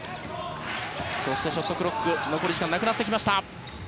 そして、ショットクロック残り時間なくなってきました。